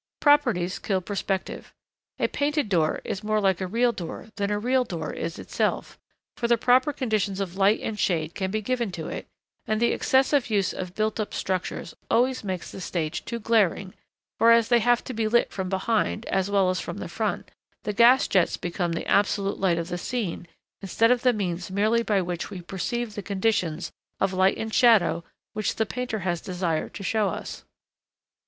Properties kill perspective. A painted door is more like a real door than a real door is itself, for the proper conditions of light and shade can be given to it; and the excessive use of built up structures always makes the stage too glaring, for as they have to be lit from behind, as well as from the front, the gas jets become the absolute light of the scene instead of the means merely by which we perceive the conditions of light and shadow which the painter has desired to show us.